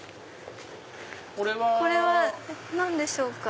これは何でしょうか？